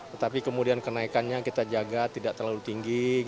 tetapi kemudian kenaikannya kita jaga tidak terlalu tinggi